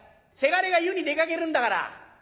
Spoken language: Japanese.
せがれが湯に出かけるんだから。